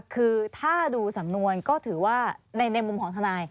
คือถ้าดูสำนวนก็ถือว่าในมุมของทนาย